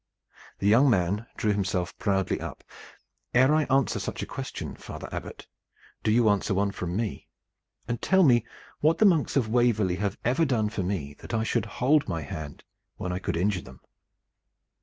The young man drew himself proudly up. "Ere I answer such a question, father Abbot, do you answer one from me, and tell me what the monks of Waverley have ever done for me that I should hold my hand when I could injure them?"